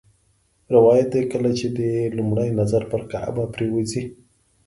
روایت دی کله چې دې لومړی نظر پر کعبه پرېوځي.